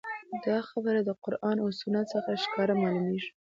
دا خبره د قران او سنت څخه ښکاره معلوميږي